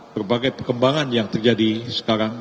berbagai perkembangan yang terjadi sekarang